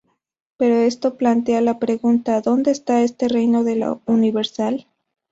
Pero esto plantea la pregunta: ¿dónde está este reino de lo universal?